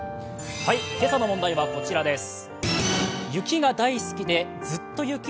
今朝の問題は、こちらです。